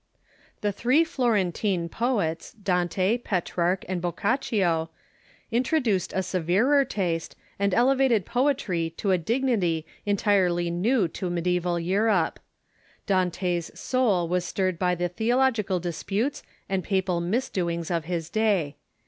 The three Florentine poets, Dante, Petrarch, and Boccaccio, introduced a severer taste, and elevated poetry to a dignity entirely new to mediaeval Europe. Dante's soul a^Veoccaccio '^'^^ Stirred by the theological disputes and papal misdoings of his day.